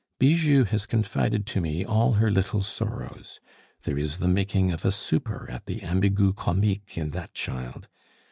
Bijou has confided to me all her little sorrows. There is the making of a super at the Ambigu Comique in that child.